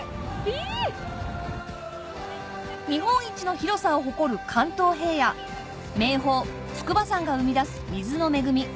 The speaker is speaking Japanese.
日本一の広さを誇る関東平野名峰筑波山が生み出す水の恵み